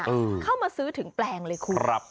เข้ามาซื้อถึงแปลงเลยคุณครับ